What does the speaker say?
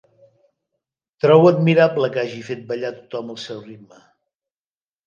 Trobo admirable que hagi fet ballar tothom al seu ritme.